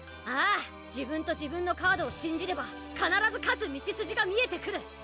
ああ自分と自分のカードを信じれば必ず勝つ道筋が見えてくる！